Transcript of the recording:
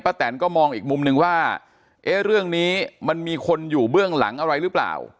แตนก็มองอีกมุมนึงว่าเอ๊ะเรื่องนี้มันมีคนอยู่เบื้องหลังอะไรหรือเปล่า